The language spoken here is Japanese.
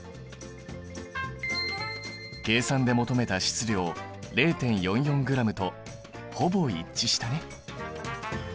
計算で求めた質量０．４４ｇとほぼ一致したね。